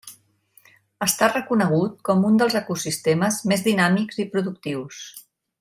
Està reconegut com un dels ecosistemes més dinàmics i productius.